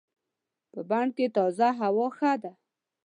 په بڼ کې تازه هوا ښه ده.